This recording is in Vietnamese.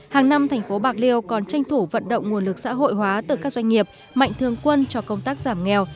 hàng năm thành phố bạc liêu còn tranh thủ vận động nguồn lực xã hội hóa từ các doanh nghiệp mạnh thương quân cho công tác giảm nghèo